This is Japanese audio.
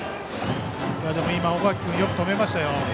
小垣君、よく止めましたよ。